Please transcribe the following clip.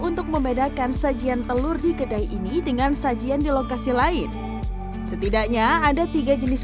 untuk membedakan sajian telur di kedai ini dengan sajian di lokasi lain setidaknya ada tiga jenis